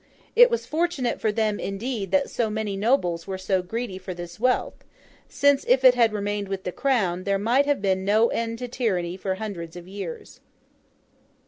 It was fortunate for them, indeed, that so many nobles were so greedy for this wealth; since, if it had remained with the Crown, there might have been no end to tyranny for hundreds of years.